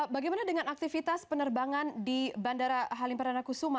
bagaimana dengan aktivitas penerbangan di bandara halim perdana kusuma